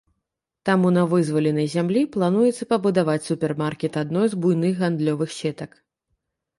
Таму на вызваленай зямлі плануецца пабудаваць супермаркет адной з буйных гандлёвых сетак.